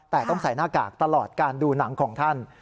แต่ต้องใส่หน้ากากตลอดการดูหนังของท่าน